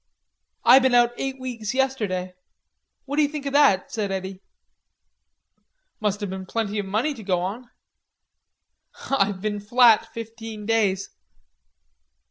"I been out eight weeks yesterday. What'd you think o' that?" said Eddy. "Must have had plenty of money to go on." "I've been flat fifteen days."